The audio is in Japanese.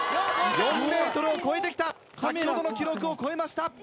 ４ｍを超えて来た先ほどの記録を超えました。